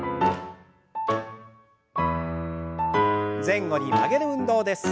前後に曲げる運動です。